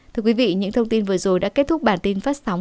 thưa quý vị những thông tin vừa rồi đã kết thúc bản tin phát sóng